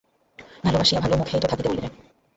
ভালোবাসিয়া ভালো মুখেই তো থাকিতে বলিলে।